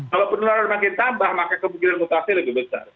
kalau penularan makin tambah maka kemungkinan mutasi lebih besar